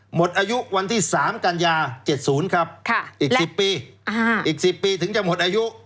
หมดอายุวันที่๓กันยา๗๐ครับอีก๑๐ปีอีก๑๐ปีถึงจะหมดอายุ